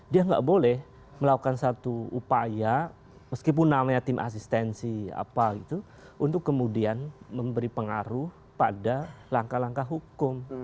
dia nggak boleh melakukan satu upaya meskipun namanya tim asistensi apa gitu untuk kemudian memberi pengaruh pada langkah langkah hukum